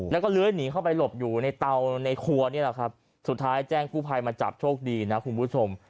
แล้วก็เลื้อยหนีเข้าไปหลบอยู่ในเตาในครัวนี่แหละครับสุดท้ายแจ้งกู้ภัยมาจับโชคดีนะคุณผู้ชม